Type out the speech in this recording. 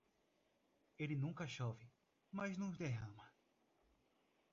Ele nunca chove, mas nos derrama.